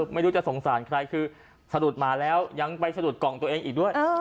ไม่รู้จะสงสารใครคือสะดุดหมาแล้วยังไปสะดุดกล่องตัวเองอีกด้วย